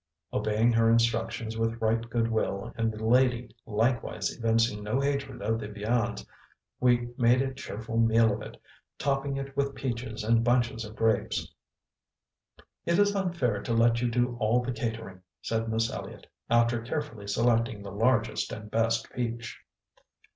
Obeying her instructions with right good will, and the lady likewise evincing no hatred of the viands, we made a cheerful meal of it, topping it with peaches and bunches of grapes. "It is unfair to let you do all the catering," said Miss Elliott, after carefully selecting the largest and best peach.